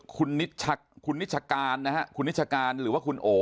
คุณนิชการนะฮะคุณนิชการหรือว่าคุณโอ